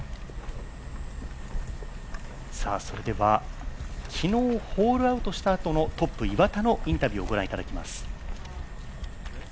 それでは昨日ホールアウトしたあとのトップ岩田のインタビューをご覧いただきます。